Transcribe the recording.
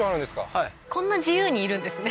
はいこんな自由にいるんですね